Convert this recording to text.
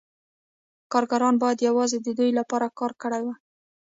کارګرانو باید یوازې د دوی لپاره کار کړی وای